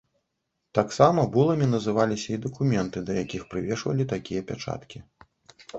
Таксама буламі назваліся і дакументы да якіх прывешвалі такія пячаткі.